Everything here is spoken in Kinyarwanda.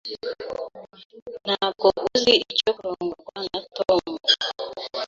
Ntabwo uzi icyo kurongorwa na Tom.